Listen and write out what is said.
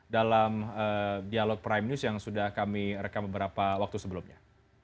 dalam dialog prime news yang sudah kami rekam beberapa waktu sebelumnya